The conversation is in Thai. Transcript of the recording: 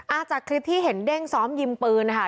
จากคลิปที่เห็นเด้งซ้อมยิงปืนนะคะ